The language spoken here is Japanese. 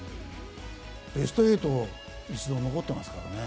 ベスト８一度、残ってますからね。